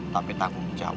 tapi tanggung jawab